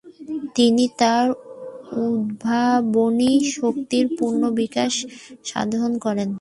তিনি তার উদ্ভাবনী শক্তির পূর্ন বিকাশ সাধন করেন।